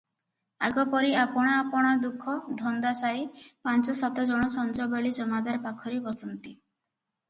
ଆଗପରି ଆପଣା ଆପଣା ଦୁଃଖ ଧନ୍ଦା ସାରି ପାଞ୍ଚ ସାତ ଜଣ ସଞ୍ଜବେଳେ ଜମାଦାର ପାଖରେ ବସନ୍ତି ।